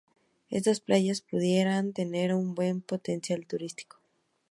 Estas playas pudieran tener un buen potencial turístico.